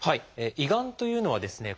胃がんというのはですね